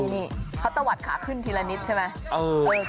นี่เขาตะวัดขาขึ้นทีละนิดใช่ไหม